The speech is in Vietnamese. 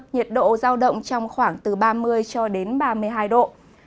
nhiệt độ giao động trong khoảng từ ba mươi cho đến ba mươi hai độ